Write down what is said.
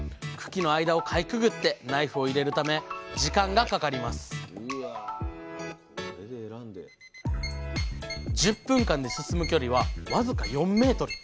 茎の間をかいくぐってナイフを入れるため時間がかかります１０分間で進む距離は僅か４ｍ。